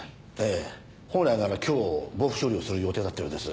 ええ本来なら今日防腐処理をする予定だったようです。